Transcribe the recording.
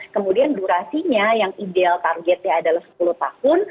kemudian durasinya yang ideal targetnya adalah sepuluh tahun